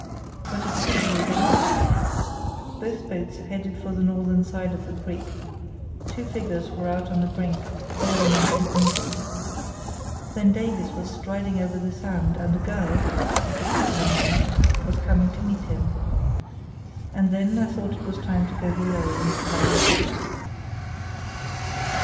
But it could be evaded. Both boats headed for the northern side of the creek: two figures were out on the brink, hauling on two painters. Then Davies was striding over the sand, and a girl—I could see her now—was coming to meet him. And then I thought it was time to go below and tidy up.